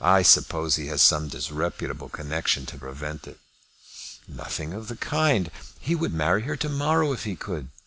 I suppose he has some disreputable connection to prevent it." "Nothing of the kind. He would marry her to morrow if he could.